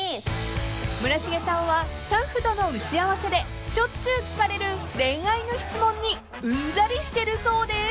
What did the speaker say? ［村重さんはスタッフとの打ち合わせでしょっちゅう聞かれる恋愛の質問にうんざりしてるそうです］